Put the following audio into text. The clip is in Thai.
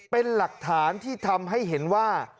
เป็นหลักฐานที่ทำให้เห็นว่า